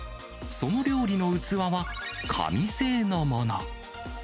その料理の器は紙製のもの。